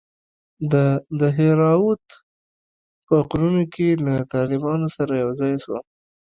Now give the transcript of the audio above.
د دهراوت په غرونو کښې له طالبانو سره يوځاى سوم.